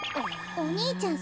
お兄ちゃん